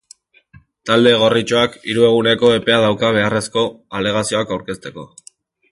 Talde gorritxoak hiru eguneko epea dauka beharrezko alegazioak aurkezteko.